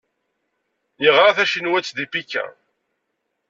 Yeɣra tacinwant di Pikin.